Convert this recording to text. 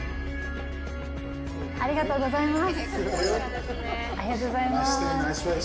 ありがとうございます。